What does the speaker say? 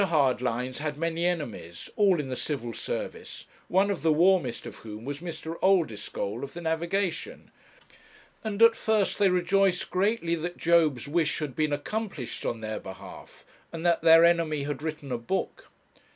Hardlines had many enemies, all in the Civil Service, one of the warmest of whom was Mr. Oldeschole, of the Navigation, and at first they rejoiced greatly that Job's wish had been accomplished on their behalf, and that their enemy had written a book.